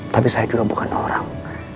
tapi saya juga bukan orang